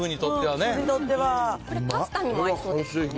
パスタにも合いそうですね。